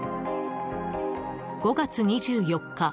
５月２４日